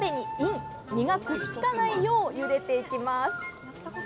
実がくっつかないようゆでていきます。